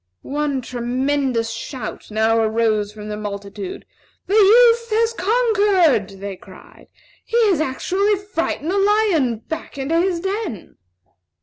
One tremendous shout now arose from the multitude. "The youth has conquered!" they cried. "He has actually frightened the lion back into his den!"